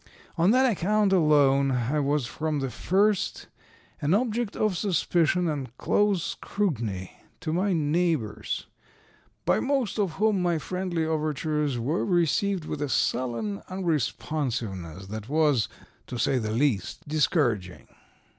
On that account alone I was from the first an object of suspicion and close scrutiny to my neighbors, by most of whom my friendly overtures were received with a sullen unresponsiveness that was, to say the least, discouraging.